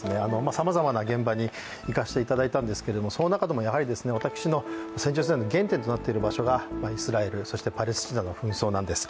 さまざまな現場に行かせていただいたんですけども、その中でもやはり私の戦場取材の原点となっているのがイスラエル、そしてパレスチナの紛争なんです。